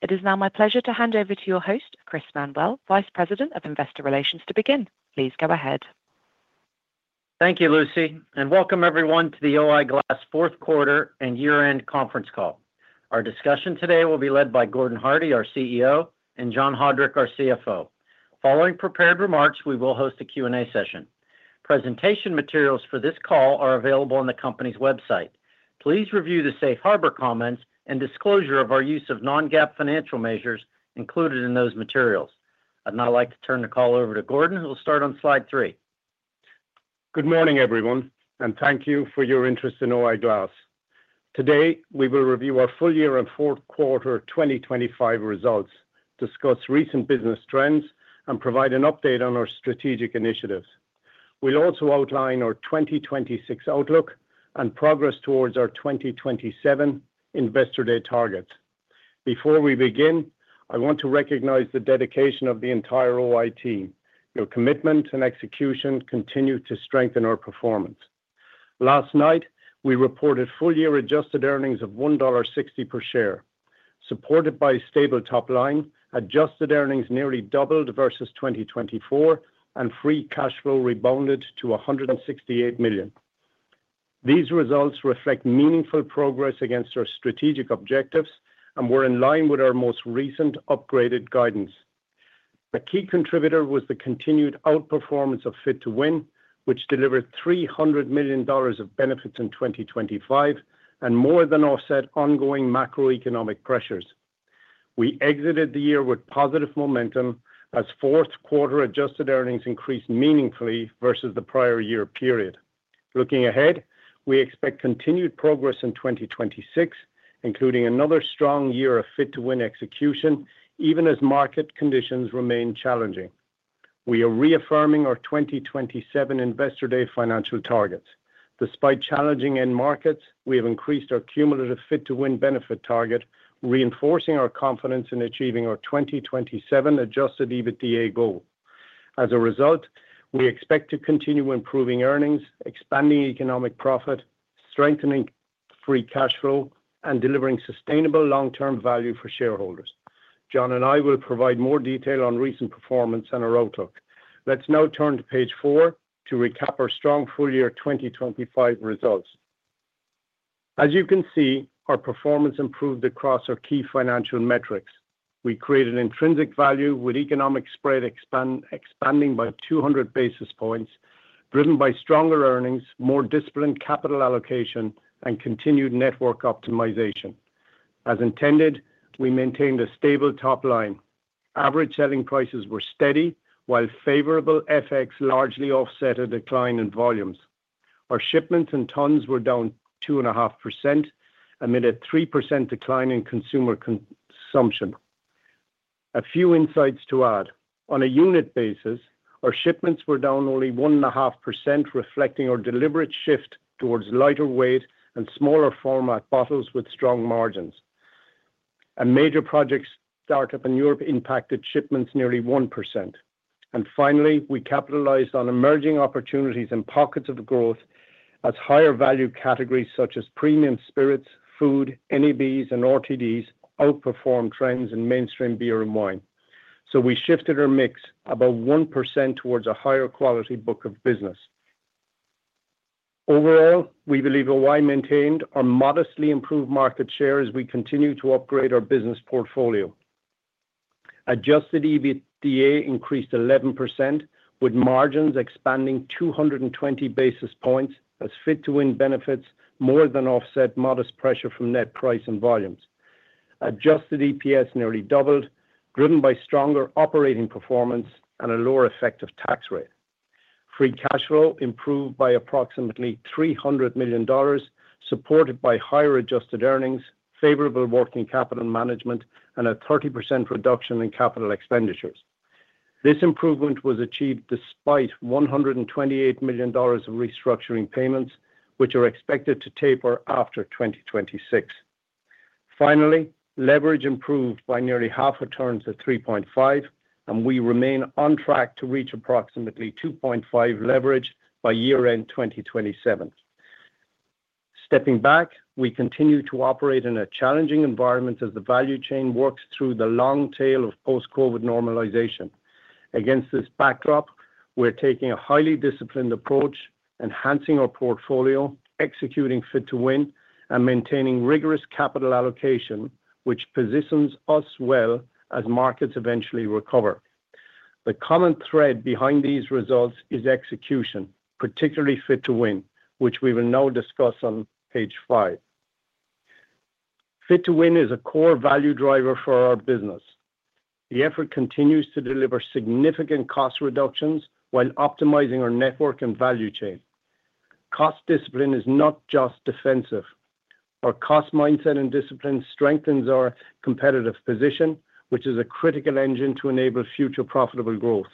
It is now my pleasure to hand over to your host, Chris Manuel, Vice President of Investor Relations, to begin. Please go ahead. Thank you, Lucy, and welcome everyone to the O-I Glass fourth quarter and year-end conference call. Our discussion today will be led by Gordon Hardie, our CEO, and John Haudrich, our CFO. Following prepared remarks, we will host a Q&A session. Presentation materials for this call are available on the company's website. Please review the Safe Harbor comments and disclosure of our use of non-GAAP financial measures included in those materials. I'd like to turn the call over to Gordon, who will start on slide three. Good morning, everyone, and thank you for your interest in O-I Glass. Today we will review our full-year and fourth quarter 2025 results, discuss recent business trends, and provide an update on our strategic initiatives. We'll also outline our 2026 outlook and progress towards our 2027 Investor Day targets. Before we begin, I want to recognize the dedication of the entire O-I team. Your commitment and execution continue to strengthen our performance. Last night we reported full-year adjusted earnings of $1.60 per share, supported by a stable top line, adjusted earnings nearly doubled versus 2024, and free cash flow rebounded to $168 million. These results reflect meaningful progress against our strategic objectives and were in line with our most recent upgraded guidance. A key contributor was the continued outperformance of Fit to Win, which delivered $300 million of benefits in 2025 and more than offset ongoing macroeconomic pressures. We exited the year with positive momentum as fourth quarter adjusted earnings increased meaningfully versus the prior year period. Looking ahead, we expect continued progress in 2026, including another strong year of Fit to Win execution, even as market conditions remain challenging. We are reaffirming our 2027 Investor Day financial targets. Despite challenging end markets, we have increased our cumulative Fit to Win benefit target, reinforcing our confidence in achieving our 2027 adjusted EBITDA goal. As a result, we expect to continue improving earnings, expanding economic profit, strengthening free cash flow, and delivering sustainable long-term value for shareholders. John and I will provide more detail on recent performance and our outlook. Let's now turn to page four to recap our strong full-year 2025 results. As you can see, our performance improved across our key financial metrics. We created intrinsic value with economic spread expanding by 200 basis points, driven by stronger earnings, more disciplined capital allocation, and continued network optimization. As intended, we maintained a stable top line. Average selling prices were steady while favorable FX largely offset a decline in volumes. Our shipments in tons were down 2.5% amid a 3% decline in consumer consumption. A few insights to add: on a unit basis, our shipments were down only 1.5%, reflecting our deliberate shift towards lighter weight and smaller format bottles with strong margins. A major project startup in Europe impacted shipments nearly 1%. Finally, we capitalized on emerging opportunities in pockets of growth as higher value categories such as premium spirits, food, NABs, and RTDs outperformed trends in mainstream beer and wine. We shifted our mix about 1% towards a higher quality book of business. Overall, we believe O-I maintained our modestly improved market share as we continue to upgrade our business portfolio. Adjusted EBITDA increased 11% with margins expanding 220 basis points as Fit to Win benefits more than offset modest pressure from net price and volumes. Adjusted EPS nearly doubled, driven by stronger operating performance and a lower effective tax rate. Free cash flow improved by approximately $300 million, supported by higher adjusted earnings, favorable working capital management, and a 30% reduction in capital expenditures. This improvement was achieved despite $128 million of restructuring payments, which are expected to taper after 2026. Finally, leverage improved by nearly half a turn to 3.5, and we remain on track to reach approximately 2.5 leverage by year-end 2027. Stepping back, we continue to operate in a challenging environment as the value chain works through the long tail of post-COVID normalization. Against this backdrop, we're taking a highly disciplined approach, enhancing our portfolio, executing Fit to Win, and maintaining rigorous capital allocation, which positions us well as markets eventually recover. The common thread behind these results is execution, particularly Fit to Win, which we will now discuss on page five. Fit to Win is a core value driver for our business. The effort continues to deliver significant cost reductions while optimizing our network and value chain. Cost discipline is not just defensive. Our cost mindset and discipline strengthens our competitive position, which is a critical engine to enable future profitable growth.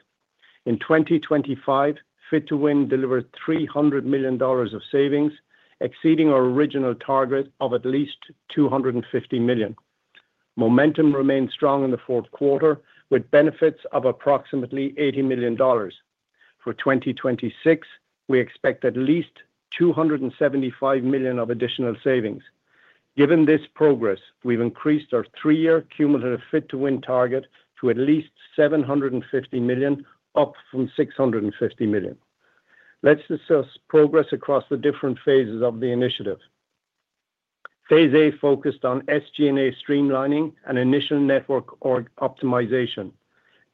In 2025, Fit to Win delivered $300 million of savings, exceeding our original target of at least $250 million. Momentum remained strong in the fourth quarter with benefits of approximately $80 million. For 2026, we expect at least $275 million of additional savings. Given this progress, we've increased our three-year cumulative Fit to Win target to at least $750 million, up from $650 million. Let's discuss progress across the different phases of the initiative. Phase A focused on SG&A streamlining and initial network optimization,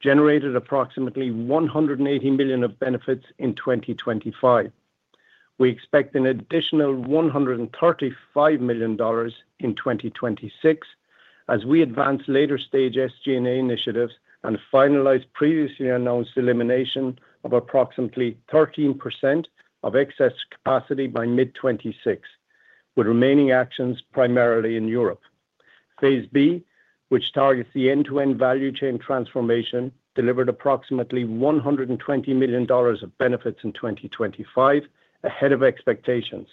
generated approximately $180 million of benefits in 2025. We expect an additional $135 million in 2026 as we advance later-stage SG&A initiatives and finalize previously announced elimination of approximately 13% of excess capacity by mid-2026, with remaining actions primarily in Europe. Phase B, which targets the end-to-end value chain transformation, delivered approximately $120 million of benefits in 2025, ahead of expectations.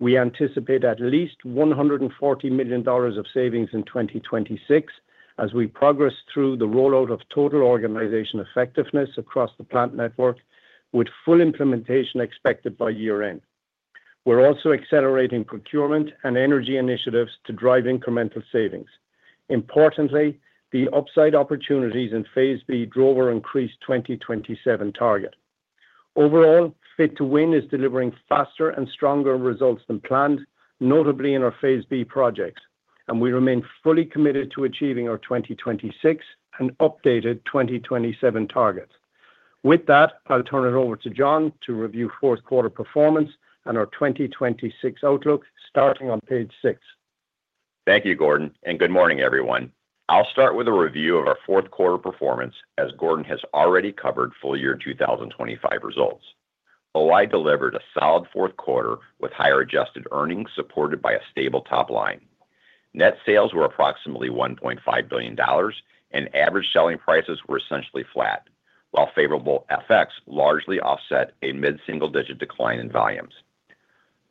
We anticipate at least $140 million of savings in 2026 as we progress through the rollout of Total Organization Effectiveness across the plant network, with full implementation expected by year-end. We're also accelerating procurement and energy initiatives to drive incremental savings. Importantly, the upside opportunities in Phase B drove our increased 2027 target. Overall, Fit to Win is delivering faster and stronger results than planned, notably in our Phase B projects, and we remain fully committed to achieving our 2026 and updated 2027 targets. With that, I'll turn it over to John to review fourth quarter performance and our 2026 outlook, starting on page six. Thank you, Gordon, and good morning, everyone. I'll start with a review of our fourth quarter performance as Gordon has already covered full-year 2025 results. O-I delivered a solid fourth quarter with higher adjusted earnings supported by a stable top line. Net sales were approximately $1.5 billion, and average selling prices were essentially flat, while favorable FX largely offset a mid-single digit decline in volumes.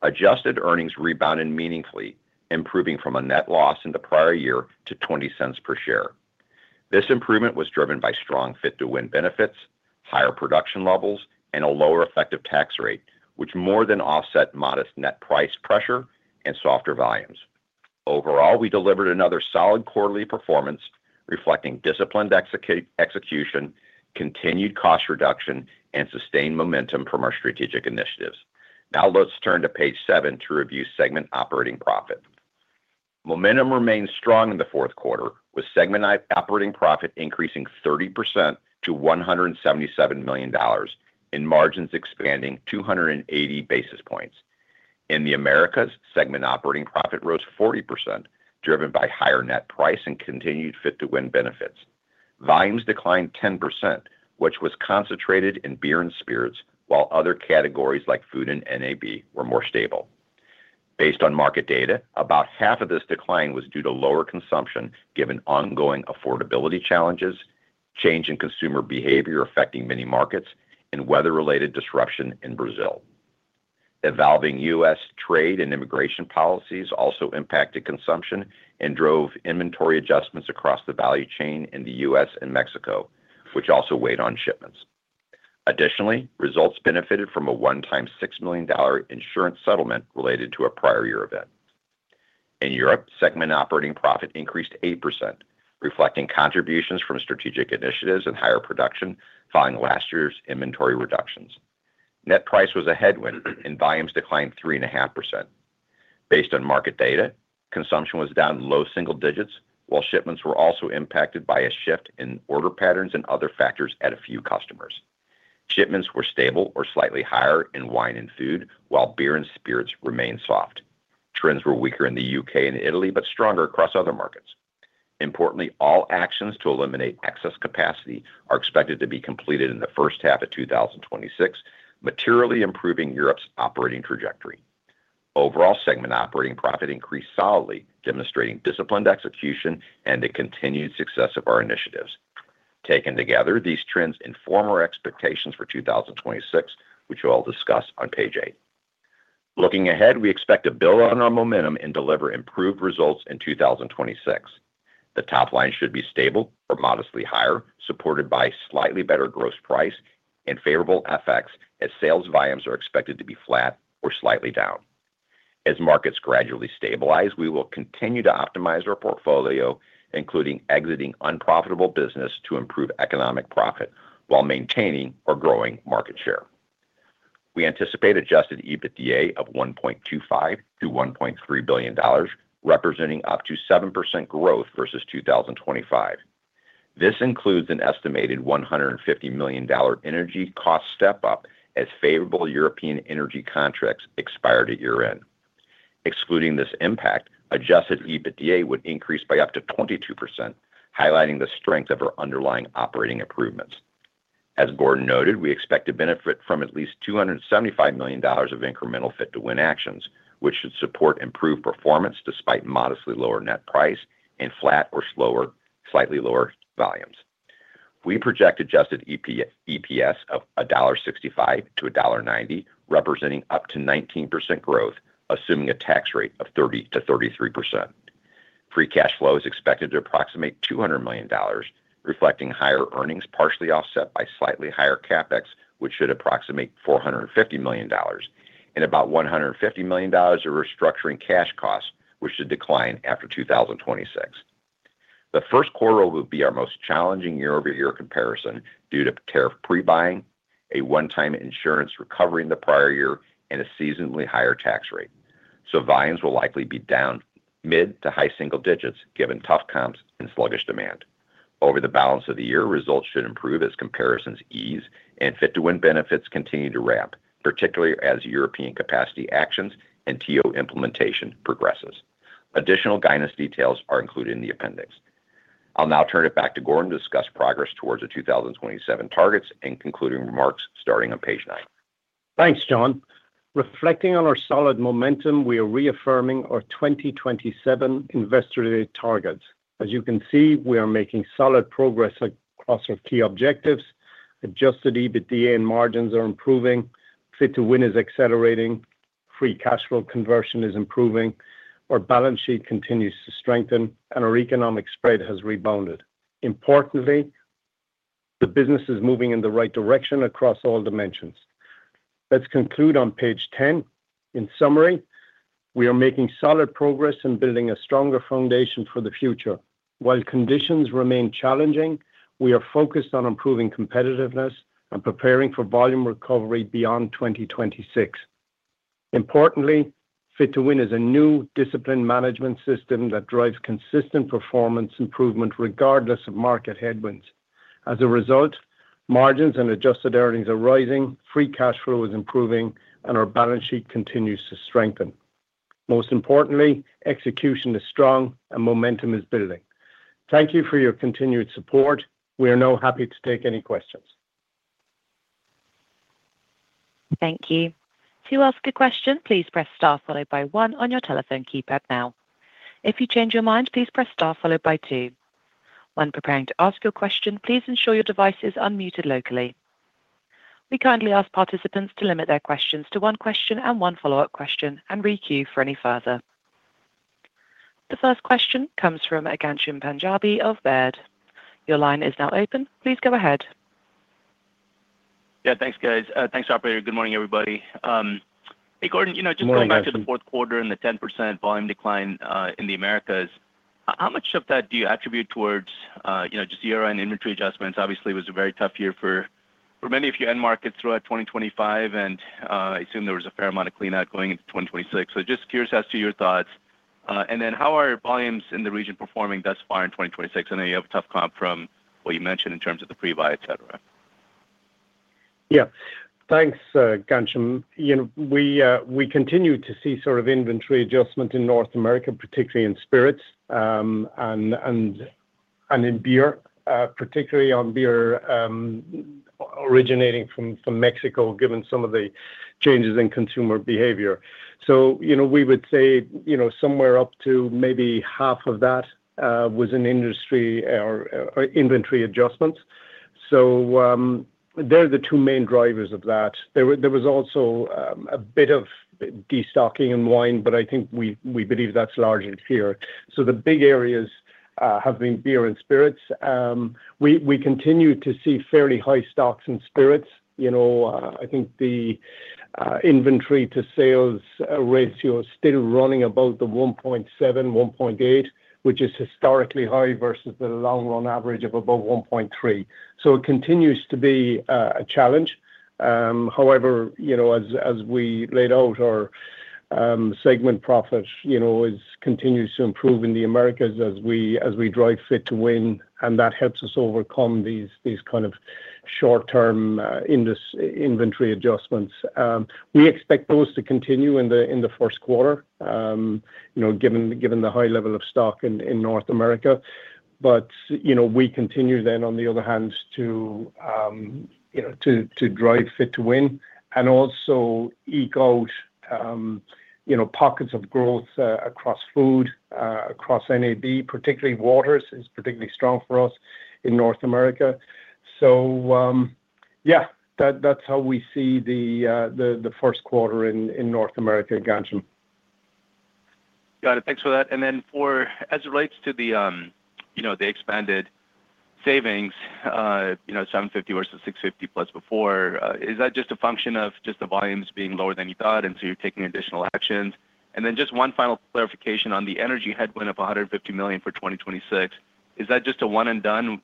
Adjusted earnings rebounded meaningfully, improving from a net loss in the prior year to $0.20 per share. This improvement was driven by strong Fit to Win benefits, higher production levels, and a lower effective tax rate, which more than offset modest net price pressure and softer volumes. Overall, we delivered another solid quarterly performance, reflecting disciplined execution, continued cost reduction, and sustained momentum from our strategic initiatives. Now let's turn to page seven to review segment operating profit. Momentum remained strong in the fourth quarter, with segment operating profit increasing 30% to $177 million and margins expanding 280 basis points. In the Americas, segment operating profit rose 40%, driven by higher net price and continued Fit to Win benefits. Volumes declined 10%, which was concentrated in beer and spirits, while other categories like food and NAB were more stable. Based on market data, about half of this decline was due to lower consumption given ongoing affordability challenges, change in consumer behavior affecting many markets, and weather-related disruption in Brazil. Evolving U.S. trade and immigration policies also impacted consumption and drove inventory adjustments across the value chain in the U.S. and Mexico, which also weighed on shipments. Additionally, results benefited from a one-time $6 million insurance settlement related to a prior year event. In Europe, segment operating profit increased 8%, reflecting contributions from strategic initiatives and higher production following last year's inventory reductions. Net price was a headwind, and volumes declined 3.5%. Based on market data, consumption was down low single digits, while shipments were also impacted by a shift in order patterns and other factors at a few customers. Shipments were stable or slightly higher in wine and food, while beer and spirits remained soft. Trends were weaker in the U.K. and Italy but stronger across other markets. Importantly, all actions to eliminate excess capacity are expected to be completed in the first half of 2026, materially improving Europe's operating trajectory. Overall, segment operating profit increased solidly, demonstrating disciplined execution and the continued success of our initiatives. Taken together, these trends inform our expectations for 2026, which we'll discuss on page eight. Looking ahead, we expect to build on our momentum and deliver improved results in 2026. The top line should be stable or modestly higher, supported by slightly better gross price and favorable FX as sales volumes are expected to be flat or slightly down. As markets gradually stabilize, we will continue to optimize our portfolio, including exiting unprofitable business to improve economic profit while maintaining or growing market share. We anticipate adjusted EBITDA of $1.25 billion-$1.3 billion, representing up to 7% growth versus 2025. This includes an estimated $150 million energy cost step-up as favorable European energy contracts expire to year-end. Excluding this impact, adjusted EBITDA would increase by up to 22%, highlighting the strength of our underlying operating improvements. As Gordon noted, we expect to benefit from at least $275 million of incremental Fit to Win actions, which should support improved performance despite modestly lower net price and flat or slightly lower volumes. We project adjusted EPS of $1.65-$1.90, representing up to 19% growth, assuming a tax rate of 30%-33%. Free cash flow is expected to approximate $200 million, reflecting higher earnings partially offset by slightly higher CapEx, which should approximate $450 million, and about $150 million of restructuring cash costs, which should decline after 2026. The first quarter will be our most challenging year-over-year comparison due to tariff prebuying, a one-time insurance recovery the prior year, and a seasonally higher tax rate. So volumes will likely be down mid to high single digits given tough comps and sluggish demand. Over the balance of the year, results should improve as comparisons ease and Fit to Win benefits continue to ramp, particularly as European capacity actions and TO implementation progresses. Additional guidance details are included in the appendix. I'll now turn it back to Gordon to discuss progress toward the 2027 targets and concluding remarks starting on page nine. Thanks, John. Reflecting on our solid momentum, we are reaffirming our 2027 investor-related targets. As you can see, we are making solid progress across our key objectives. Adjusted EBITDA and margins are improving. Fit to Win is accelerating. Free cash flow conversion is improving. Our balance sheet continues to strengthen, and our economic spread has rebounded. Importantly, the business is moving in the right direction across all dimensions. Let's conclude on page 10. In summary, we are making solid progress and building a stronger foundation for the future. While conditions remain challenging, we are focused on improving competitiveness and preparing for volume recovery beyond 2026. Importantly, Fit to Win is a new discipline management system that drives consistent performance improvement regardless of market headwinds. As a result, margins and adjusted earnings are rising, free cash flow is improving, and our balance sheet continues to strengthen. Most importantly, execution is strong and momentum is building. Thank you for your continued support. We are now happy to take any questions. Thank you. To ask a question, please press star followed by one on your telephone keypad now. If you change your mind, please press star followed by two. When preparing to ask your question, please ensure your device is unmuted locally. We kindly ask participants to limit their questions to one question and one follow-up question and re-queue for any further. The first question comes from Ghansham Panjabi of Baird. Your line is now open. Please go ahead. Yeah, thanks, guys. Thanks, operator. Good morning, everybody. Hey, Gordon, just going back to the fourth quarter and the 10% volume decline in the Americas, how much of that do you attribute towards just year-end inventory adjustments? Obviously, it was a very tough year for many of your end markets throughout 2025, and I assume there was a fair amount of cleanup going into 2026. So just curious as to your thoughts. And then how are volumes in the region performing thus far in 2026? I know you have a tough comp from what you mentioned in terms of the prebuy, etc. Yeah, thanks, Ghansham. We continue to see sort of inventory adjustment in North America, particularly in spirits and in beer, particularly on beer originating from Mexico, given some of the changes in consumer behavior. So we would say somewhere up to maybe half of that was in industry or inventory adjustments. So they're the two main drivers of that. There was also a bit of destocking in wine, but I think we believe that's largely here. So the big areas have been beer and spirits. We continue to see fairly high stocks in spirits. I think the inventory-to-sales ratio is still running above the 1.7, 1.8, which is historically high versus the long-run average of above 1.3. So it continues to be a challenge. However, as we laid out, our segment profit continues to improve in the Americas as we drive Fit to Win, and that helps us overcome these kind of short-term inventory adjustments. We expect those to continue in the first quarter, given the high level of stock in North America. But we continue then, on the other hand, to drive Fit to Win and also eke out pockets of growth across food, across NAB, particularly waters is particularly strong for us in North America. So yeah, that's how we see the first quarter in North America, Ghansham. Got it. Thanks for that. Then as it relates to the expanded savings, $750 versus $650 plus before, is that just a function of just the volumes being lower than you thought and so you're taking additional actions? Then just one final clarification on the energy headwind of $150 million for 2026, is that just a one-and-done?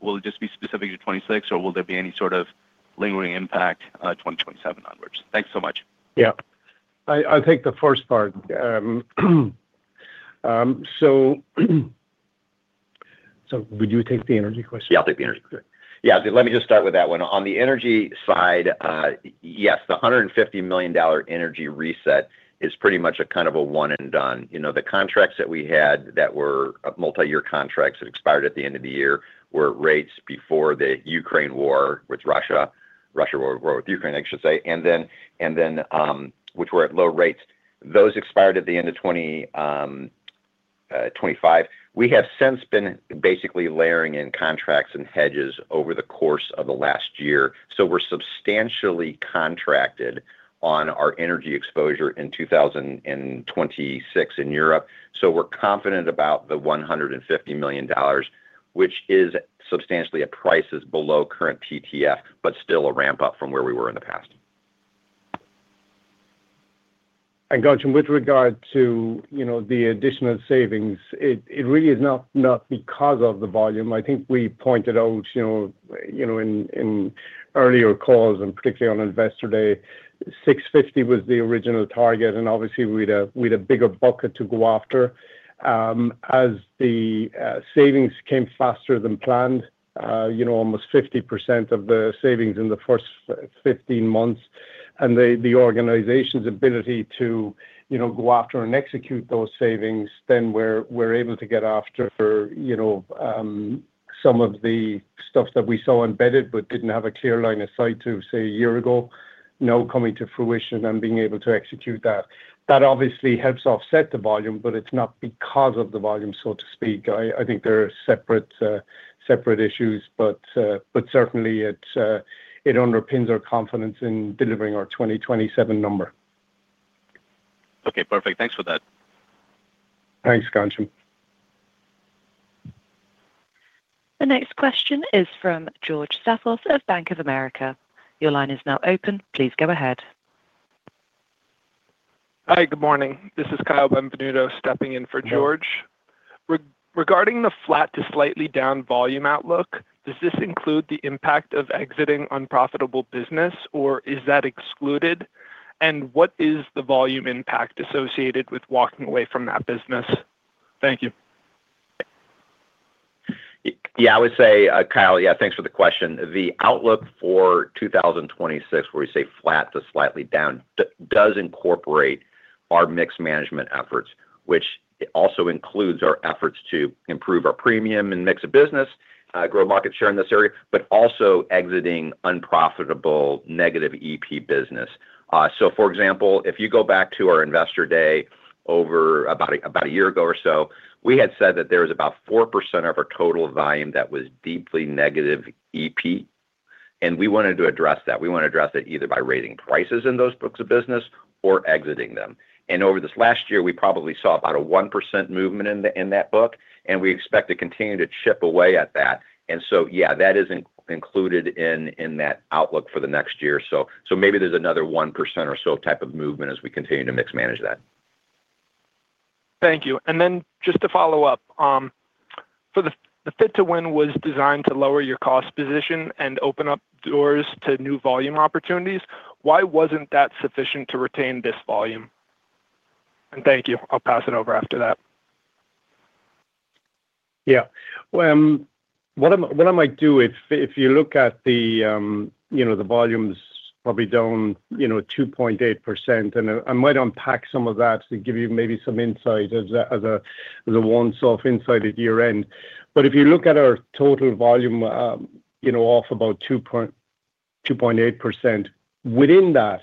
Will it just be specific to 2026, or will there be any sort of lingering impact 2027 onwards? Thanks so much. Yeah. I'll take the first part. So would you take the energy question? Yeah, I'll take the energy question. Yeah, let me just start with that one. On the energy side, yes, the $150 million energy reset is pretty much a kind of a one-and-done. The contracts that we had that were multi-year contracts that expired at the end of the year were at rates before the Ukraine war with Russia, Russia war with Ukraine, I should say, and then which were at low rates. Those expired at the end of 2025. We have since been basically layering in contracts and hedges over the course of the last year. So we're substantially contracted on our energy exposure in 2026 in Europe. So we're confident about the $150 million, which is substantially a price below current TTF but still a ramp-up from where we were in the past. Ghansham, with regard to the additional savings, it really is not because of the volume. I think we pointed out in earlier calls and particularly on Investor Day, $650 was the original target, and obviously, we had a bigger bucket to go after. As the savings came faster than planned, almost 50% of the savings in the first 15 months and the organization's ability to go after and execute those savings, then we're able to get after some of the stuff that we saw embedded but didn't have a clear line of sight to, say, a year ago, now coming to fruition and being able to execute that. That obviously helps offset the volume, but it's not because of the volume, so to speak. I think they're separate issues, but certainly, it underpins our confidence in delivering our 2027 number. Okay, perfect. Thanks for that. Thanks, Ghansham. The next question is from George Staphos of Bank of America. Your line is now open. Please go ahead. Hi, good morning. This is Kyle Benvenuto stepping in for George. Regarding the flat to slightly down volume outlook, does this include the impact of exiting unprofitable business, or is that excluded? And what is the volume impact associated with walking away from that business? Thank you. Yeah, I would say, Kyle, yeah, thanks for the question. The outlook for 2026, where we say flat to slightly down, does incorporate our mixed management efforts, which also includes our efforts to improve our premium and mix of business, grow market share in this area, but also exiting unprofitable negative EP business. So for example, if you go back to our Investor Day over about a year ago or so, we had said that there was about 4% of our total volume that was deeply negative EP, and we wanted to address that. We wanted to address it either by raising prices in those books of business or exiting them. And over this last year, we probably saw about a 1% movement in that book, and we expect to continue to chip away at that. And so yeah, that isn't included in that outlook for the next year. Maybe there's another 1% or so type of movement as we continue to mix-manage that. Thank you. And then just to follow up, for the Fit to Win was designed to lower your cost position and open up doors to new volume opportunities. Why wasn't that sufficient to retain this volume? And thank you. I'll pass it over after that. Yeah. What I might do, if you look at the volumes, probably down 2.8%, and I might unpack some of that to give you maybe some insight as a one-off insight at year-end. But if you look at our total volume off about 2.8%, within that,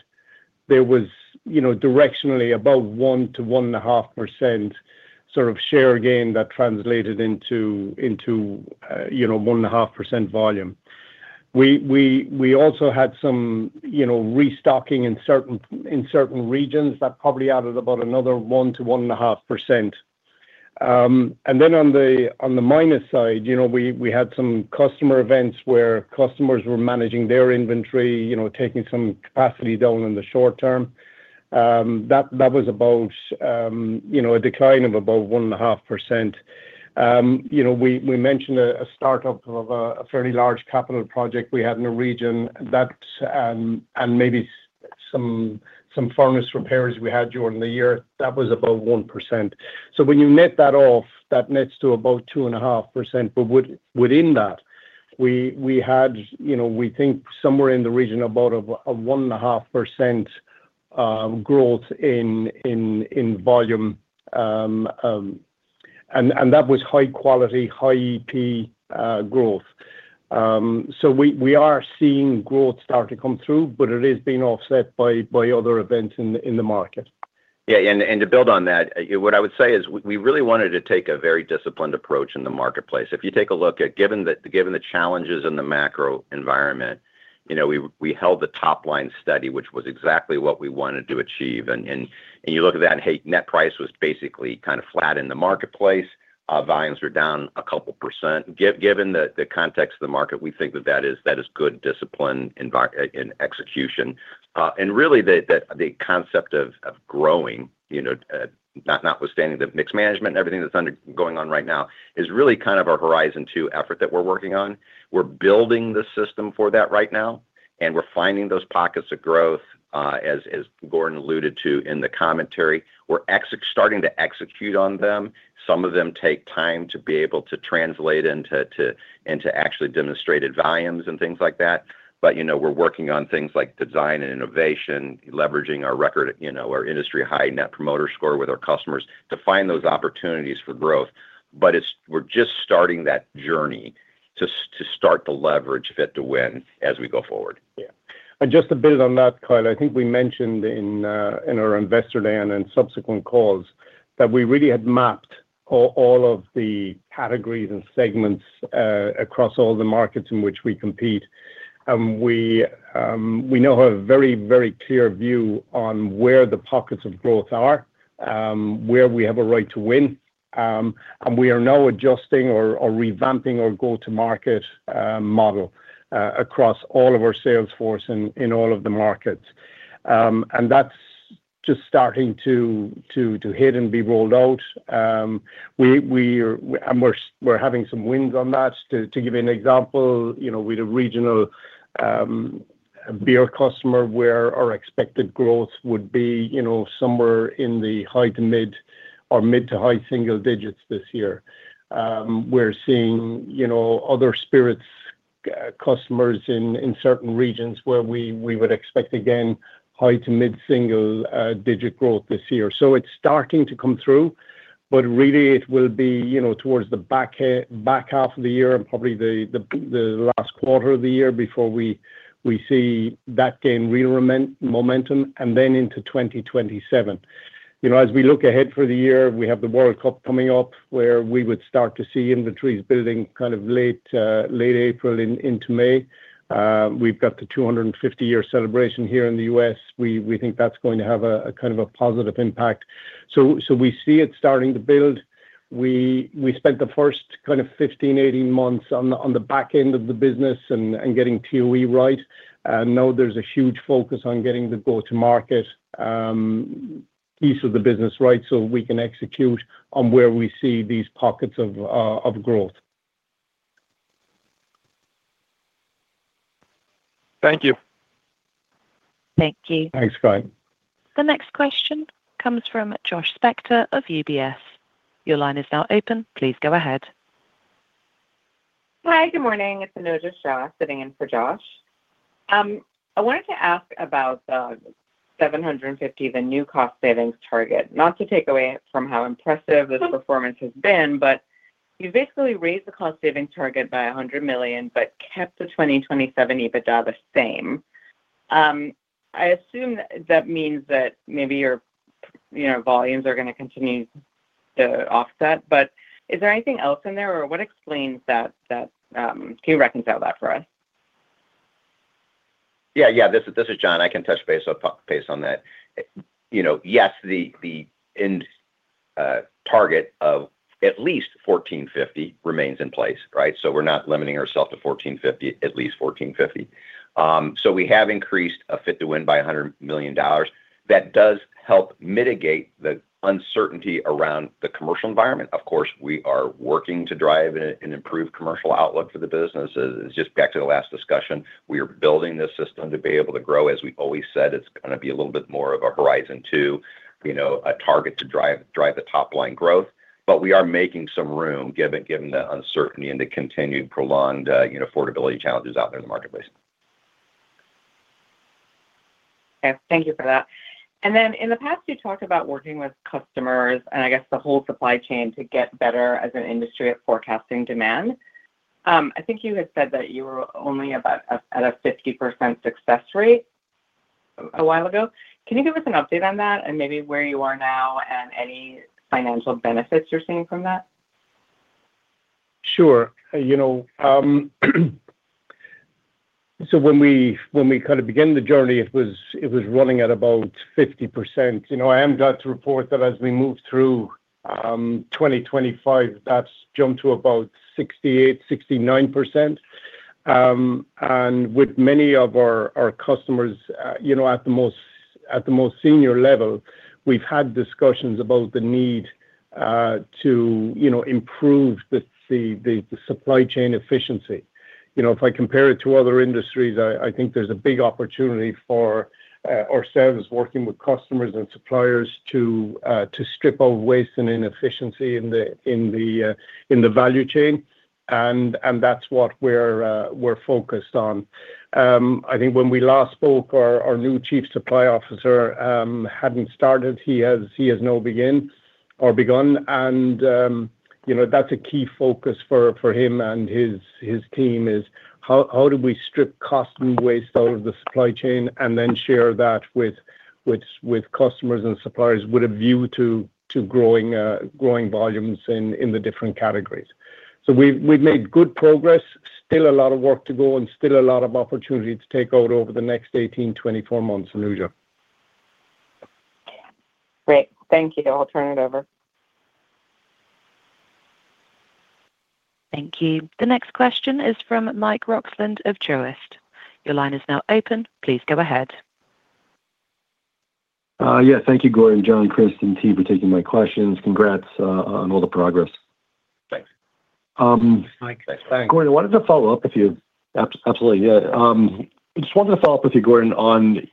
there was directionally about 1%-1.5% sort of share gain that translated into 1.5% volume. We also had some restocking in certain regions that probably added about another 1%-1.5%. And then on the minus side, we had some customer events where customers were managing their inventory, taking some capacity down in the short term. That was about a decline of about 1.5%. We mentioned a startup of a fairly large capital project we had in the region and maybe some furnace repairs we had during the year. That was about 1%. So when you net that off, that nets to about 2.5%. But within that, we had, we think, somewhere in the region about a 1.5% growth in volume. And that was high-quality, high-EP growth. So we are seeing growth start to come through, but it has been offset by other events in the market. Yeah. And to build on that, what I would say is we really wanted to take a very disciplined approach in the marketplace. If you take a look at given the challenges in the macro environment, we held the top line steady, which was exactly what we wanted to achieve. And you look at that and, hey, net price was basically kind of flat in the marketplace. Volumes were down a couple percent. Given the context of the market, we think that that is good discipline in execution. And really, the concept of growing, notwithstanding the mixed management and everything that's going on right now, is really kind of our horizon two effort that we're working on. We're building the system for that right now, and we're finding those pockets of growth, as Gordon alluded to in the commentary. We're starting to execute on them. Some of them take time to be able to translate into actually demonstrated volumes and things like that. But we're working on things like design and innovation, leveraging our record, our industry-high Net Promoter Score with our customers to find those opportunities for growth. But we're just starting that journey to start to leverage Fit to Win as we go forward. Yeah. And just a bit on that, Kyle, I think we mentioned in our Investor Day and in subsequent calls that we really had mapped all of the categories and segments across all the markets in which we compete. And we now have a very, very clear view on where the pockets of growth are, where we have a right to win. And we are now adjusting or revamping our go-to-market model across all of our salesforce in all of the markets. And that's just starting to hit and be rolled out. And we're having some wins on that. To give you an example, we had a regional beer customer where our expected growth would be somewhere in the high to mid or mid to high single digits this year. We're seeing other spirits customers in certain regions where we would expect, again, high to mid single-digit growth this year. So it's starting to come through, but really, it will be towards the back half of the year and probably the last quarter of the year before we see that gain real momentum and then into 2027. As we look ahead for the year, we have the World Cup coming up where we would start to see inventories building kind of late April into May. We've got the 250-year celebration here in the U.S. We think that's going to have a kind of a positive impact. So we see it starting to build. We spent the first kind of 15, 18 months on the back end of the business and getting TOE right. Now, there's a huge focus on getting the go-to-market piece of the business right so we can execute on where we see these pockets of growth. Thank you. Thank you. Thanks, Kyle. The next question comes from Josh Spector of UBS. Your line is now open. Please go ahead. Hi, good morning. It's Anojja Shah sitting in for Josh. I wanted to ask about the $750 million, the new cost savings target, not to take away from how impressive this performance has been, but you've basically raised the cost savings target by $100 million but kept the 2027 EBITDA the same. I assume that means that maybe your volumes are going to continue to offset. But is there anything else in there, or what explains that? Can you reconcile that for us? Yeah, yeah. This is John. I can touch base on that. Yes, the end target of at least 1450 remains in place, right? So we're not limiting ourselves to 1450, at least 1450. So we have increased a Fit to Win by $100 million. That does help mitigate the uncertainty around the commercial environment. Of course, we are working to drive an improved commercial outlook for the business. It's just back to the last discussion. We are building this system to be able to grow. As we always said, it's going to be a little bit more of a horizon two, a target to drive the top-line growth. But we are making some room given the uncertainty and the continued prolonged affordability challenges out there in the marketplace. Okay. Thank you for that. And then in the past, you talked about working with customers and I guess the whole supply chain to get better as an industry at forecasting demand. I think you had said that you were only at a 50% success rate a while ago. Can you give us an update on that and maybe where you are now and any financial benefits you're seeing from that? Sure. So when we kind of began the journey, it was running at about 50%. I am glad to report that as we moved through 2025, that's jumped to about 68%-69%. And with many of our customers at the most senior level, we've had discussions about the need to improve the supply chain efficiency. If I compare it to other industries, I think there's a big opportunity for ourselves working with customers and suppliers to strip off waste and inefficiency in the value chain. And that's what we're focused on. I think when we last spoke, our new Chief Supply Officer hadn't started. He has now begun. That's a key focus for him and his team is, how do we strip cost and waste out of the supply chain and then share that with customers and suppliers with a view to growing volumes in the different categories? We've made good progress, still a lot of work to go, and still a lot of opportunity to take out over the next 18, 24 months, Anojja. Great. Thank you. I'll turn it over. Thank you. The next question is from Mike Roxland of Truist. Your line is now open. Please go ahead. Yeah. Thank you, Gordon, John, Chris, and team for taking my questions. Congrats on all the progress. Thanks. Thanks. Gordon, I wanted to follow up with you. Absolutely. Yeah. I just wanted to follow up with you, Gordon, on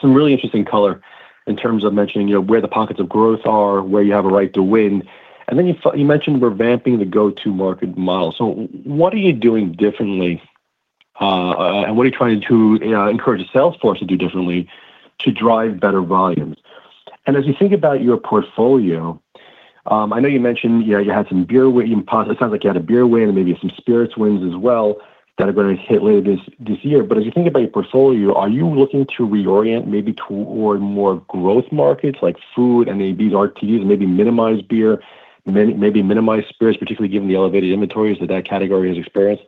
some really interesting color in terms of mentioning where the pockets of growth are, where you have a right to win. And then you mentioned revamping the go-to-market model. So what are you doing differently, and what are you trying to encourage the salesforce to do differently to drive better volumes? And as you think about your portfolio, I know you mentioned you had some beer win. It sounds like you had a beer win and maybe some spirits wins as well that are going to hit later this year. But as you think about your portfolio, are you looking to reorient maybe toward more growth markets like food, NABs, RTDs, maybe minimize beer, maybe minimize spirits, particularly given the elevated inventories that that category has experienced?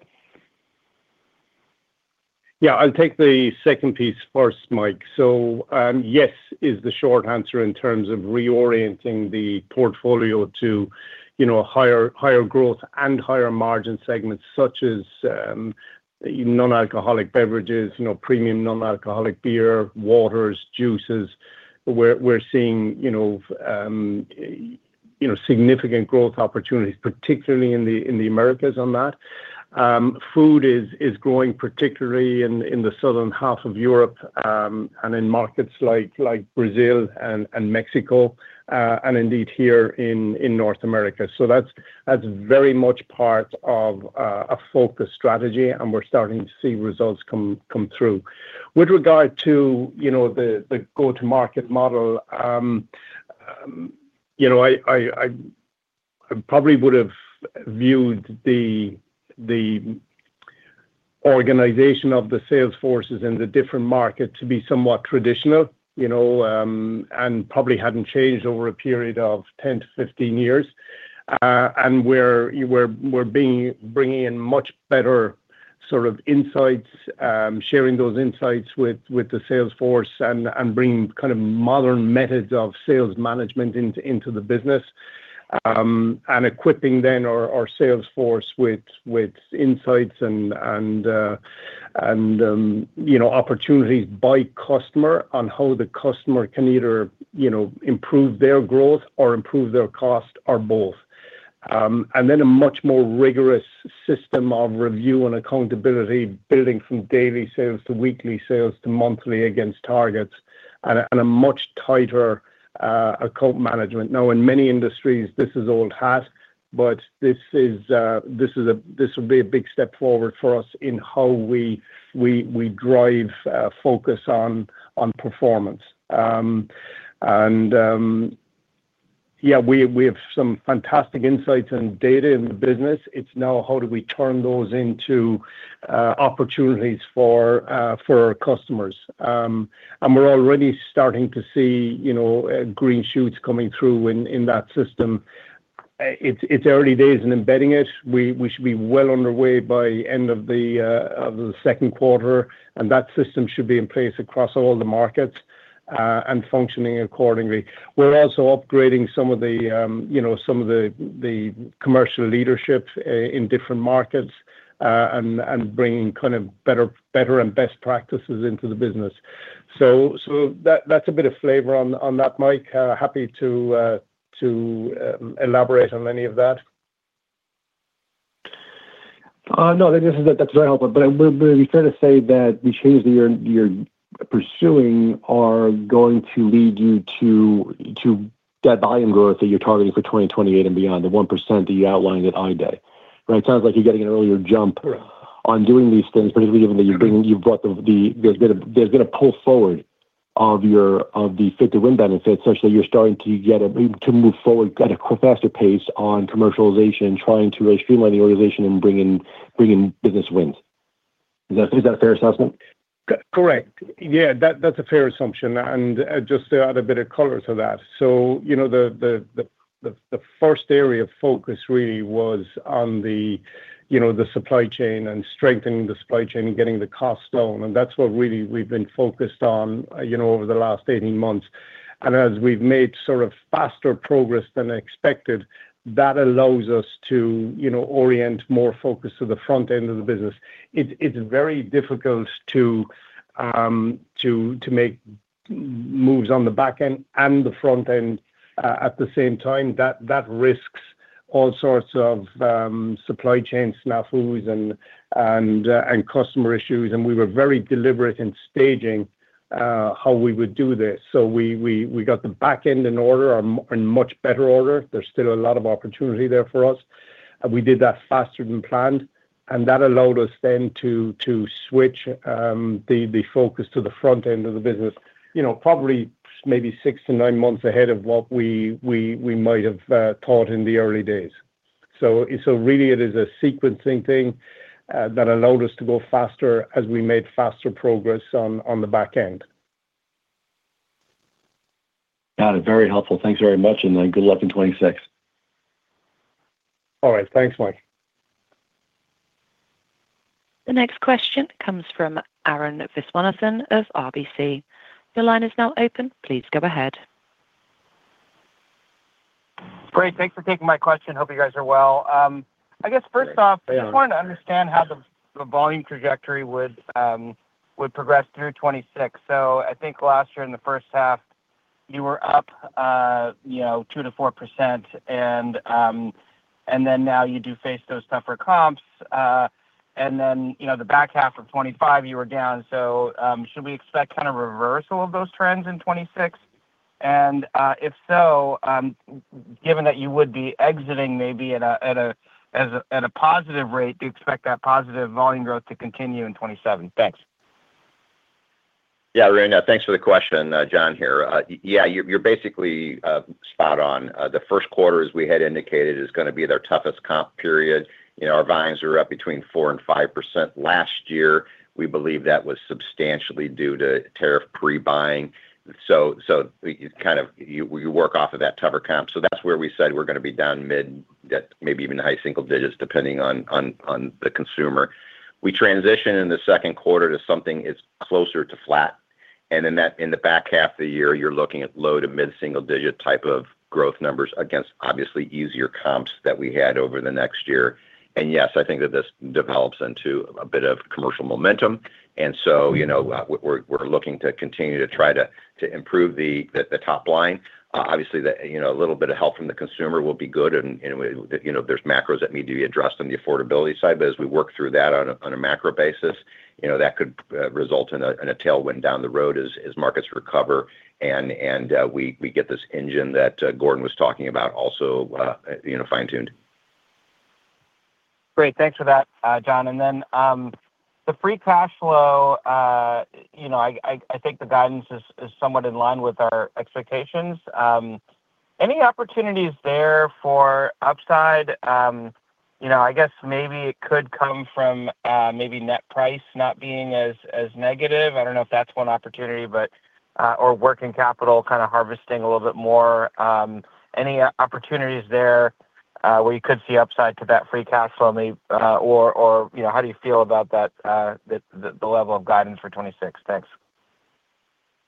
Yeah. I'll take the second piece first, Mike. So yes is the short answer in terms of reorienting the portfolio to higher growth and higher margin segments such as non-alcoholic beverages, premium non-alcoholic beer, waters, juices. We're seeing significant growth opportunities, particularly in the Americas on that. Food is growing, particularly in the southern half of Europe and in markets like Brazil and Mexico and indeed here in North America. So that's very much part of a focus strategy, and we're starting to see results come through. With regard to the go-to-market model, I probably would have viewed the organization of the salesforces in the different markets to be somewhat traditional and probably hadn't changed over a period of 10-15 years. We're bringing in much better sort of insights, sharing those insights with the salesforce, and bringing kind of modern methods of sales management into the business and equipping, then, our salesforce with insights and opportunities by customer on how the customer can either improve their growth or improve their cost or both. And then a much more rigorous system of review and accountability, building from daily sales to weekly sales to monthly against targets and a much tighter account management. Now, in many industries, this is old hat, but this will be a big step forward for us in how we drive focus on performance. And yeah, we have some fantastic insights and data in the business. It's now, how do we turn those into opportunities for our customers? And we're already starting to see green shoots coming through in that system. It's early days in embedding it. We should be well underway by the end of the second quarter. That system should be in place across all the markets and functioning accordingly. We're also upgrading some of the commercial leadership in different markets and bringing kind of better and best practices into the business. That's a bit of flavor on that, Mike. Happy to elaborate on any of that. No, this is very helpful. But it would be fair to say that the changes that you're pursuing are going to lead you to that volume growth that you're targeting for 2028 and beyond, the 1% that you outlined at I-Day, right? It sounds like you're getting an earlier jump on doing these things, particularly given that there's been a pull forward of the Fit to Win benefits, such that you're starting to get to move forward at a faster pace on commercialization, trying to streamline the organization and bring in business wins. Is that a fair assessment? Correct. Yeah, that's a fair assumption. And just to add a bit of color to that, so the first area of focus really was on the supply chain and strengthening the supply chain and getting the cost down. And that's what really we've been focused on over the last 18 months. And as we've made sort of faster progress than expected, that allows us to orient more focus to the front end of the business. It's very difficult to make moves on the back end and the front end at the same time. That risks all sorts of supply chain snafus and customer issues. And we were very deliberate in staging how we would do this. So we got the back end in order and much better order. There's still a lot of opportunity there for us. We did that faster than planned. That allowed us then to switch the focus to the front end of the business, probably maybe six to 9 months ahead of what we might have thought in the early days. Really, it is a sequencing thing that allowed us to go faster as we made faster progress on the back end. Got it. Very helpful. Thanks very much. Then good luck in 2026. All right. Thanks, Mike. The next question comes from Arun Viswanathan of RBC. Your line is now open. Please go ahead. Great. Thanks for taking my question. Hope you guys are well. I guess, first off, I just wanted to understand how the volume trajectory would progress through 2026. So I think last year, in the first half, you were up 2%-4%. And then now you do face those tougher comps. And then the back half of 2025, you were down. So should we expect kind of reversal of those trends in 2026? And if so, given that you would be exiting maybe at a positive rate, do you expect that positive volume growth to continue in 2027? Thanks. Yeah, Arun, thanks for the question, John here. Yeah, you're basically spot on. The first quarter, as we had indicated, is going to be their toughest comp period. Our volumes were up between 4% and 5% last year. We believe that was substantially due to tariff pre-buying. So kind of you work off of that tougher comp. So that's where we said we're going to be down mid maybe even high single digits, depending on the consumer. We transition in the second quarter to something that's closer to flat. And then in the back half of the year, you're looking at low to mid single digit type of growth numbers against, obviously, easier comps that we had over the next year. And yes, I think that this develops into a bit of commercial momentum. And so we're looking to continue to try to improve the top line. Obviously, a little bit of help from the consumer will be good. There's macros that need to be addressed on the affordability side. As we work through that on a macro basis, that could result in a tailwind down the road as markets recover and we get this engine that Gordon was talking about also fine-tuned. Great. Thanks for that, John. And then the free cash flow, I think the guidance is somewhat in line with our expectations. Any opportunities there for upside? I guess maybe it could come from maybe net price not being as negative. I don't know if that's one opportunity, but or working capital kind of harvesting a little bit more. Any opportunities there where you could see upside to that free cash flow maybe? Or how do you feel about the level of guidance for 2026? Thanks.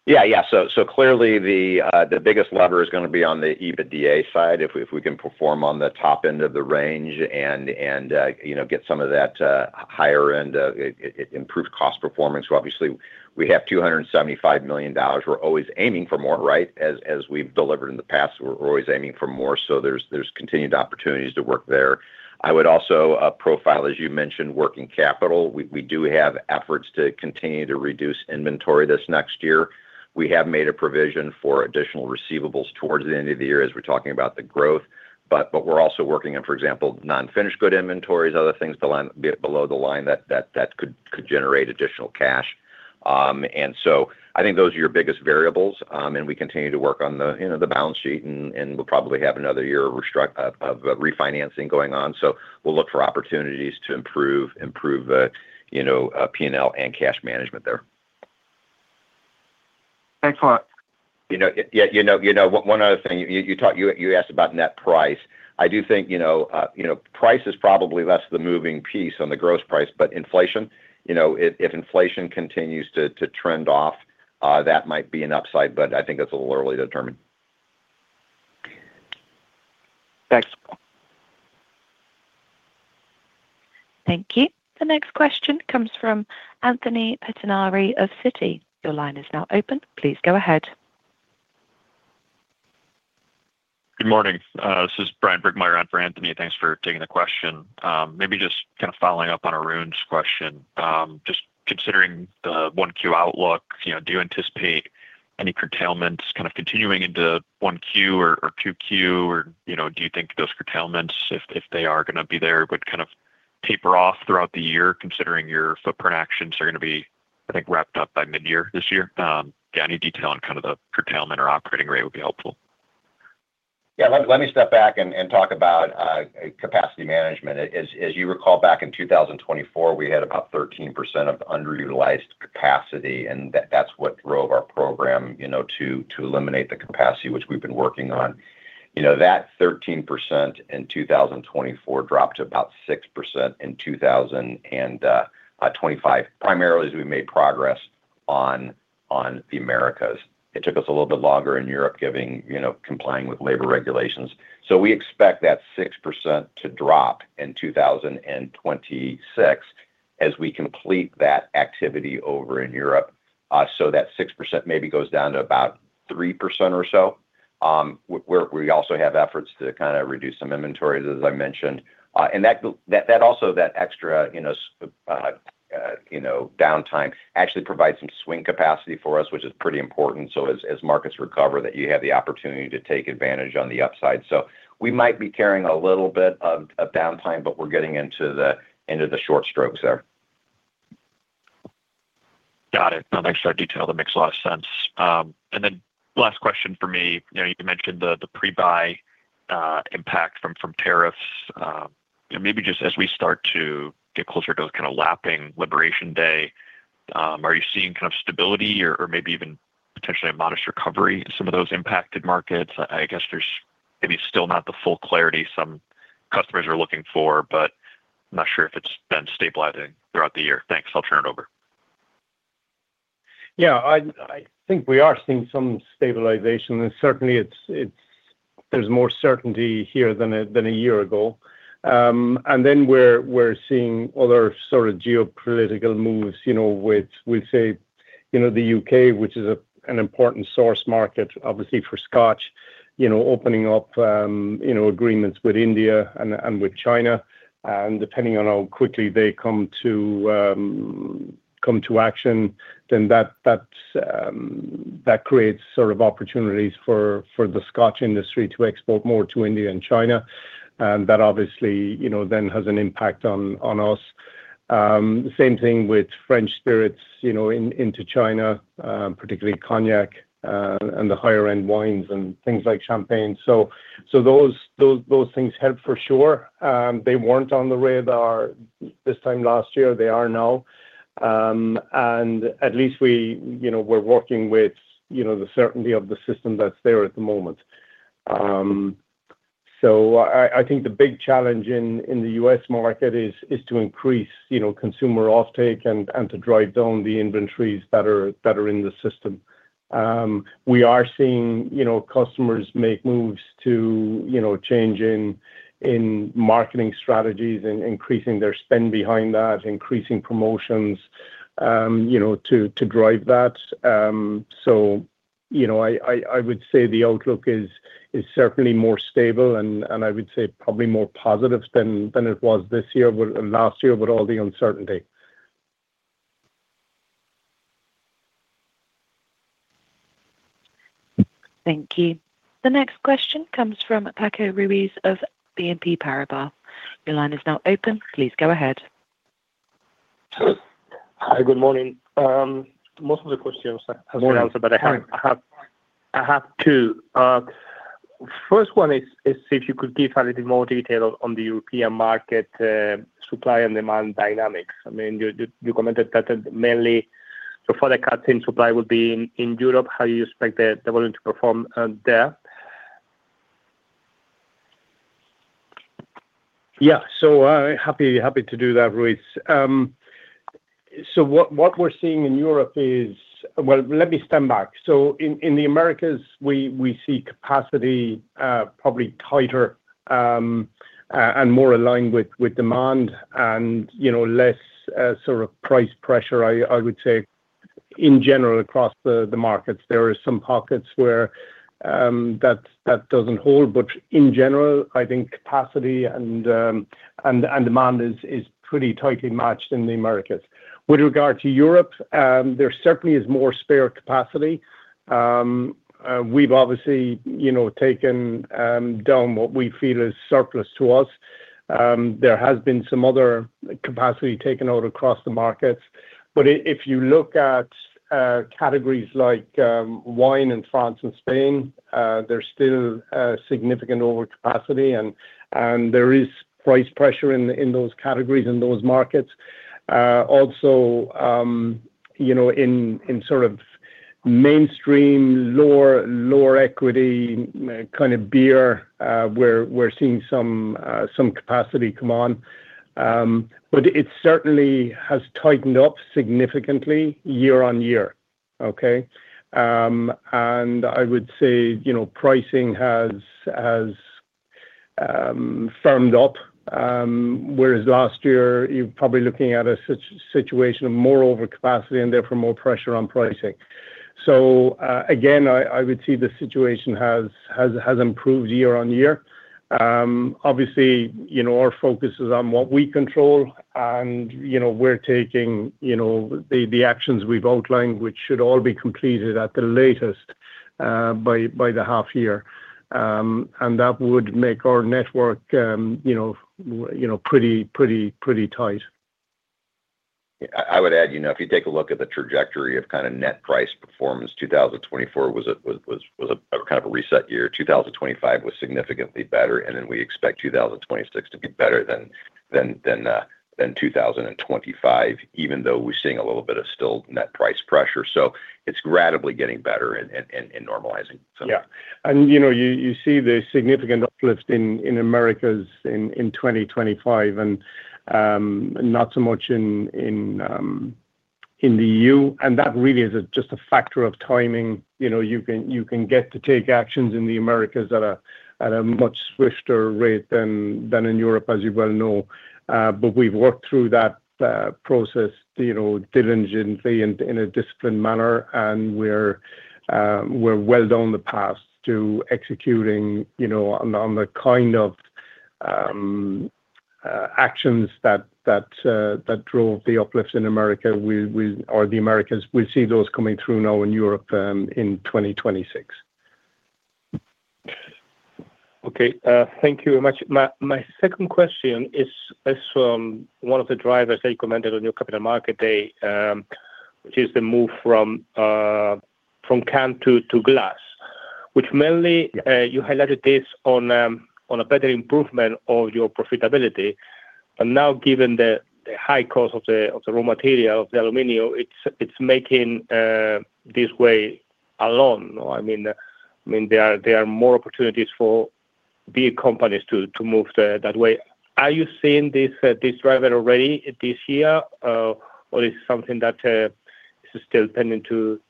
Yeah. Yeah. So clearly, the biggest lever is going to be on the EBITDA side, if we can perform on the top end of the range and get some of that higher-end improved cost performance. Obviously, we have $275 million. We're always aiming for more, right, as we've delivered in the past. We're always aiming for more. So there's continued opportunities to work there. I would also profile, as you mentioned, working capital. We do have efforts to continue to reduce inventory this next year. We have made a provision for additional receivables towards the end of the year as we're talking about the growth. But we're also working on, for example, non-finished good inventories, other things below the line that could generate additional cash. And so I think those are your biggest variables. And we continue to work on the balance sheet. We'll probably have another year of refinancing going on. We'll look for opportunities to improve P&L and cash management there. Excellent. Yeah. One other thing. You asked about net price. I do think price is probably less the moving piece on the gross price. But inflation, if inflation continues to trend off, that might be an upside. But I think that's a little early to determine. Thanks. Thank you. The next question comes from Anthony Pettinari of Citi. Your line is now open. Please go ahead. Good morning. This is Bryan Burgmeier out for Anthony. Thanks for taking the question. Maybe just kind of following up on Arun's question. Just considering the 1Q outlook, do you anticipate any curtailments kind of continuing into 1Q or 2Q? Or do you think those curtailments, if they are going to be there, would kind of taper off throughout the year considering your footprint actions are going to be, I think, wrapped up by midyear this year? Yeah, any detail on kind of the curtailment or operating rate would be helpful. Yeah. Let me step back and talk about capacity management. As you recall, back in 2024, we had about 13% of underutilized capacity. That's what drove our program to eliminate the capacity, which we've been working on. That 13% in 2024 dropped to about 6% in 2025 primarily as we made progress on the Americas. It took us a little bit longer in Europe complying with labor regulations. So we expect that 6% to drop in 2026 as we complete that activity over in Europe. So that 6% maybe goes down to about 3% or so. We also have efforts to kind of reduce some inventories, as I mentioned. Also, that extra downtime actually provides some swing capacity for us, which is pretty important. So as markets recover, that you have the opportunity to take advantage on the upside. So we might be carrying a little bit of downtime, but we're getting into the end of the short strokes there. Got it. No, thanks for that detail. That makes a lot of sense. And then last question for me. You mentioned the pre-buy impact from tariffs. Maybe just as we start to get closer to kind of lapping Liberation Day, are you seeing kind of stability or maybe even potentially a modest recovery in some of those impacted markets? I guess there's maybe still not the full clarity some customers are looking for, but I'm not sure if it's been stabilizing throughout the year. Thanks. I'll turn it over. Yeah. I think we are seeing some stabilization. And certainly, there's more certainty here than a year ago. And then we're seeing other sort of geopolitical moves with, we'll say, the U.K., which is an important source market, obviously, for Scotch, opening up agreements with India and with China. And depending on how quickly they come to action, then that creates sort of opportunities for the Scotch industry to export more to India and China. And that, obviously, then has an impact on us. Same thing with French spirits into China, particularly cognac and the higher-end wines and things like champagne. So those things help for sure. They weren't on the radar this time last year. They are now. And at least we're working with the certainty of the system that's there at the moment. I think the big challenge in the U.S. market is to increase consumer offtake and to drive down the inventories that are in the system. We are seeing customers make moves to change in marketing strategies, increasing their spend behind that, increasing promotions to drive that. I would say the outlook is certainly more stable. I would say probably more positive than it was this year and last year with all the uncertainty. Thank you. The next question comes from Paco Ruiz of BNP Paribas. Your line is now open. Please go ahead. Hi. Good morning. Most of the questions have been answered, but I have two. First one is to see if you could give a little bit more detail on the European market supply and demand dynamics. I mean, you commented that mainly so for the cuts in supply, it would be in Europe. How do you expect the volume to perform there? Yeah. So happy to do that, Ruiz. So what we're seeing in Europe is well, let me step back. So in the Americas, we see capacity probably tighter and more aligned with demand and less sort of price pressure, I would say, in general across the markets. There are some pockets where that doesn't hold. But in general, I think capacity and demand is pretty tightly matched in the Americas. With regard to Europe, there certainly is more spare capacity. We've obviously taken down what we feel is surplus to us. There has been some other capacity taken out across the markets. But if you look at categories like wine in France and Spain, there's still significant overcapacity. And there is price pressure in those categories, in those markets. Also, in sort of mainstream, lower equity kind of beer, we're seeing some capacity come on. But it certainly has tightened up significantly year-on-year, okay? And I would say pricing has firmed up. Whereas last year, you're probably looking at a situation of more overcapacity and therefore more pressure on pricing. So again, I would see the situation has improved year-on-year. Obviously, our focus is on what we control. And we're taking the actions we've outlined, which should all be completed at the latest by the half-year. And that would make our network pretty, pretty, pretty tight. I would add, if you take a look at the trajectory of kind of net price performance, 2024 was kind of a reset year. 2025 was significantly better. And then we expect 2026 to be better than 2025, even though we're seeing a little bit of still net price pressure. So it's gradually getting better and normalizing, so. Yeah. You see the significant uplift in Americas in 2025 and not so much in the EU. That really is just a factor of timing. You can get to take actions in the Americas at a much swifter rate than in Europe, as you well know. But we've worked through that process diligently in a disciplined manner. We're well down the path to executing on the kind of actions that drove the uplift in America or the Americas. We'll see those coming through now in Europe in 2026. Okay. Thank you very much. My second question is one of the drivers that you commented on your capital market day, which is the move from canned to glass, which mainly you highlighted this on a better improvement of your profitability. And now, given the high cost of the raw material, of the aluminum, it's making this way alone. I mean, there are more opportunities for big companies to move that way. Are you seeing this driver already this year? Or is it something that is still pending to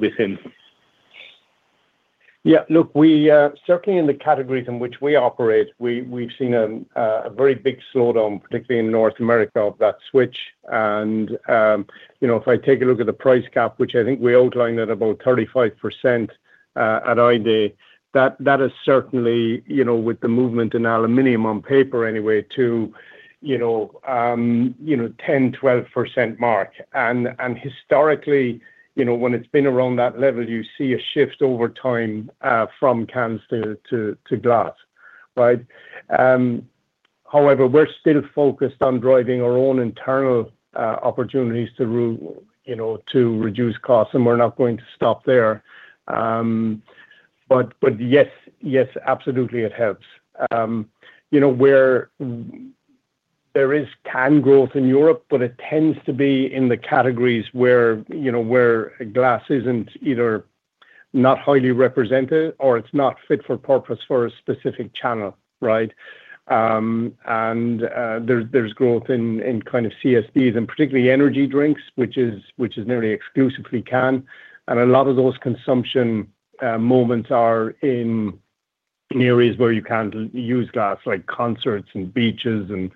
be seen? Yeah. Look, certainly in the categories in which we operate, we've seen a very big slowdown, particularly in North America, of that switch. And if I take a look at the price gap, which I think we outlined at about 35% at I-Day, that is certainly, with the movement in aluminum on paper anyway, to 10%-12% mark. And historically, when it's been around that level, you see a shift over time from canned to glass, right? However, we're still focused on driving our own internal opportunities to reduce costs. And we're not going to stop there. But yes, yes, absolutely, it helps. Where there is canned growth in Europe, but it tends to be in the categories where glass isn't either not highly represented or it's not fit for purpose for a specific channel, right? And there's growth in kind of CSDs and particularly energy drinks, which is nearly exclusively canned. And a lot of those consumption moments are in areas where you can't use glass, like concerts and beaches and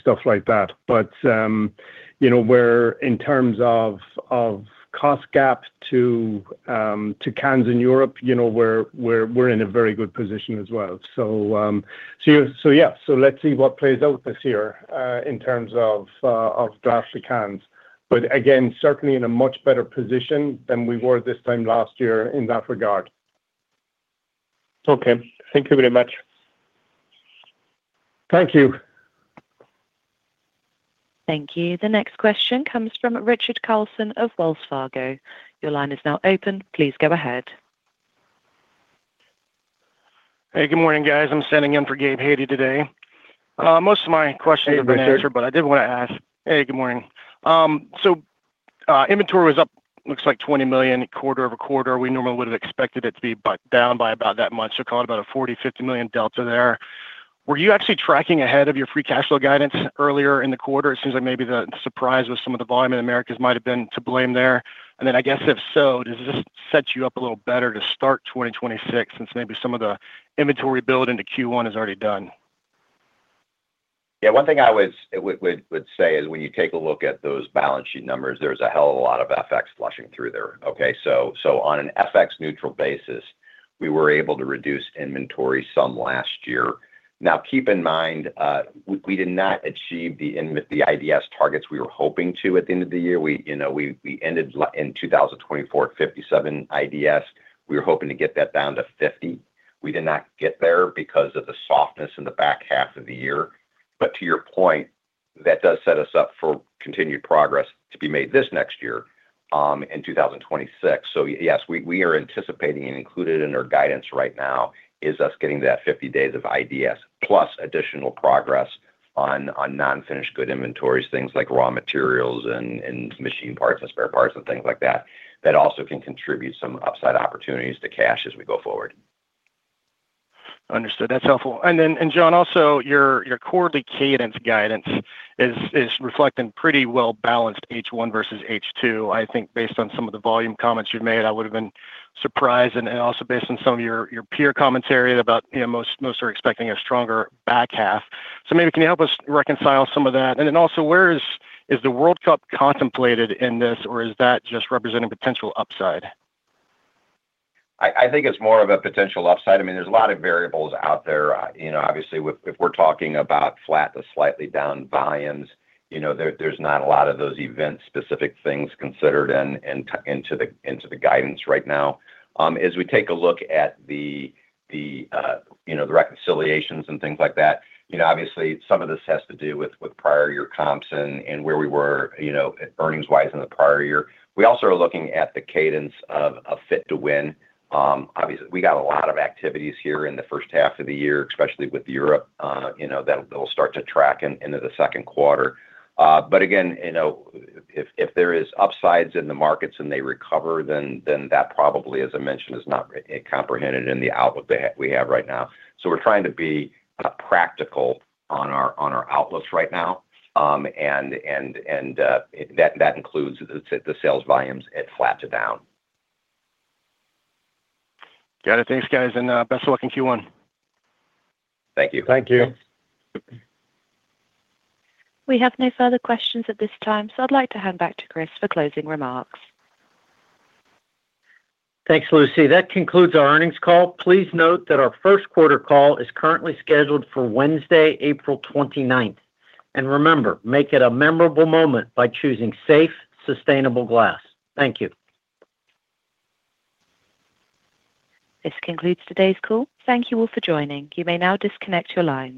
stuff like that. But where, in terms of cost gap to canned in Europe, we're in a very good position as well. So yeah. So let's see what plays out this year in terms of glass to canned. But again, certainly in a much better position than we were this time last year in that regard. Okay. Thank you very much. Thank you. Thank you. The next question comes from Richard Carlson of Wells Fargo. Your line is now open. Please go ahead. Hey. Good morning, guys. I'm sending in for Gabe Hajde today. Most of my questions have been answered, but I did want to ask. Hey. Good morning. So inventory was up, looks like, $20 million quarter-over-quarter. We normally would have expected it to be down by about that much. So call it about a $40 million-$50 million delta there. Were you actually tracking ahead of your free cash flow guidance earlier in the quarter? It seems like maybe the surprise with some of the volume in Americas might have been to blame there. And then I guess if so, does this set you up a little better to start 2026 since maybe some of the inventory build into Q1 is already done? Yeah. One thing I would say is when you take a look at those balance sheet numbers, there's a hell of a lot of FX flushing through there, okay? So on an FX-neutral basis, we were able to reduce inventory some last year. Now, keep in mind, we did not achieve the IDS targets we were hoping to at the end of the year. We ended in 2024 at 57 IDS. We were hoping to get that down to 50. We did not get there because of the softness in the back half of the year. But to your point, that does set us up for continued progress to be made this next year in 2026. So yes, we are anticipating and included in our guidance right now is us getting that 50 days of IDS plus additional progress on non-finished goods inventories, things like raw materials and machine parts and spare parts and things like that that also can contribute some upside opportunities to cash as we go forward. Understood. That's helpful. And then, John, also, your quarterly cadence guidance is reflecting pretty well-balanced H1 versus H2. I think based on some of the volume comments you've made, I would have been surprised. And also based on some of your peer commentary about most are expecting a stronger back half. So maybe can you help us reconcile some of that? And then also, where is the World Cup contemplated in this? Or is that just representing potential upside? I think it's more of a potential upside. I mean, there's a lot of variables out there. Obviously, if we're talking about flat to slightly down volumes, there's not a lot of those event-specific things considered into the guidance right now. As we take a look at the reconciliations and things like that, obviously, some of this has to do with prior year comps and where we were earnings-wise in the prior year. We also are looking at the cadence of a Fit to Win. Obviously, we got a lot of activities here in the first half of the year, especially with Europe, that will start to track into the second quarter. But again, if there is upsides in the markets and they recover, then that probably, as I mentioned, is not comprehended in the outlook that we have right now. We're trying to be practical on our outlooks right now. That includes the sales volumes at flat to down. Got it. Thanks, guys. Best of luck in Q1. Thank you. Thank you. We have no further questions at this time. I'd like to hand back to Chris for closing remarks. Thanks, Lucy. That concludes our earnings call. Please note that our first quarter call is currently scheduled for Wednesday, April 29th. Remember, make it a memorable moment by choosing safe, sustainable glass. Thank you. This concludes today's call. Thank you all for joining. You may now disconnect your line.